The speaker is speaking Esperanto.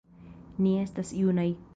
Ni estas junaj.